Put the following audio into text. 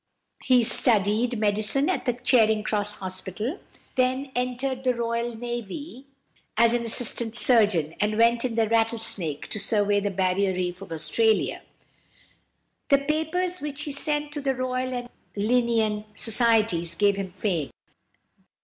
He studied medicine at the Charing Cross Hospital, then entered the Royal Navy as an assistant surgeon, and went in the Rattlesnake to survey the Barrier Reef of Australia. The papers which he sent to the Royal and Linnæan Societies gave him fame.